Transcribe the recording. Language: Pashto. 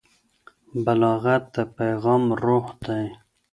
بلاغت د پیغام روح دی.